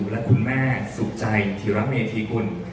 และคุณแม่สุขใจธีระเมธีกุล